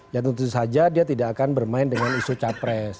ya tentu saja dia tidak akan bermain dengan isu capres